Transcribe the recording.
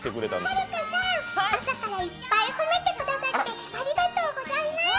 はるかさん、朝からいっぱい褒めてくださってありがとうございます。